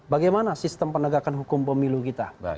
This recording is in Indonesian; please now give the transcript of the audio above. bagaimana sistem penegakan hukum pemilu kita